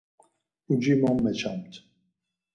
Uci mo meçamt.